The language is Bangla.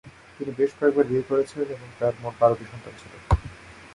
তিনি বেশ কয়েকবার বিয়ে করেছিলেন এবং তার মোট বারোটি সন্তান ছিল